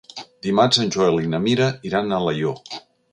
Dimarts en Joel i na Mira iran a Alaior.